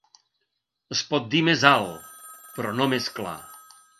Es pot dir més alt, però no més clar.